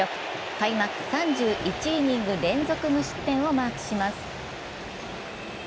開幕３１イニング連続無失点をマークします。